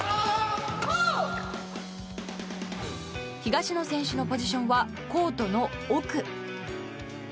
東野選手のポジションはコートの奥。